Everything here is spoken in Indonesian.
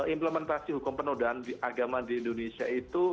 implementasi hukum penodaan agama di indonesia itu